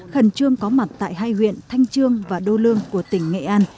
khẩn trương có mặt tại hai huyện thanh trương và đô lương của tỉnh nghệ an